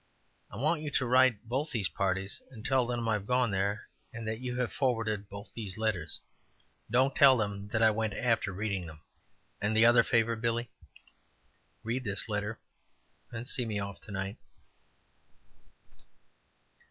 I want you to write to both these parties and tell them that I have gone there and that you have forwarded both these letters. Don't tell 'em that I went after reading 'em." "And the other favor, Billy?" "Read this letter, and see me off to night."